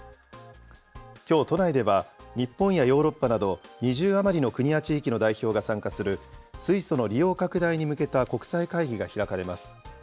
きょう都内では、日本やヨーロッパなど２０余りの国や地域の代表が参加する水素の利用拡大に向けた国際会議が開かれます。